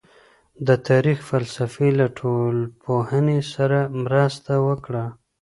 د تاريخ فلسفې له ټولنپوهنې سره مرسته وکړه.